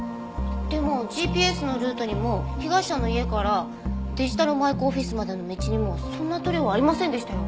でもＧＰＳのルートにも被害者の家からデジタル舞子オフィスまでの道にもそんな塗料ありませんでしたよ。